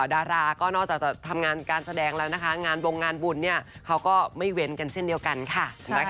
ดาราก็นอกจากจะทำงานการแสดงแล้วนะคะงานวงงานบุญเนี่ยเขาก็ไม่เว้นกันเช่นเดียวกันค่ะ